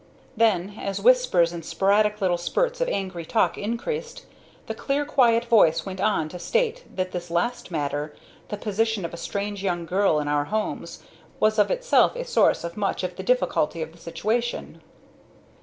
Then, as whispers and sporadic little spurts of angry talk increased, the clear quiet voice went on to state that this last matter, the position of a strange young girl in our homes, was of itself a source of much of the difficulty of the situation.